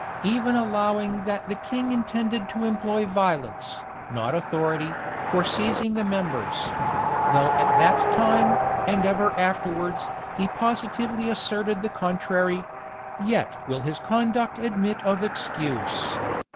Even allowing that the king intended to employ violence, not authority, for seizing the members; though at that time, and ever afterwards, he positively asserted the contrary; yet will his conduct admit of excuse.